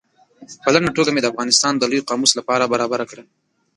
په لنډه توګه مې د افغانستان د لوی قاموس له پاره برابره کړه.